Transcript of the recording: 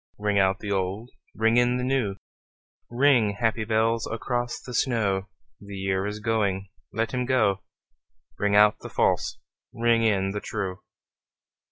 Ring out the old, ring in the new, Ring, happy bells, across the snow: The year is going, let him go; Ring out the false, ring in the true.